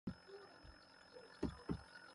پِھٹٛٹِش آ جو چھل تِھیا۔